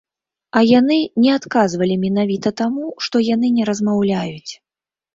А яны не адказвалі менавіта таму, што яны не размаўляюць.